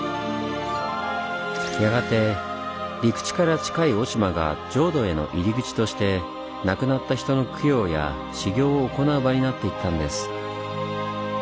やがて陸地から近い雄島が浄土への入り口として亡くなった人の供養や修行を行う場になっていったんです。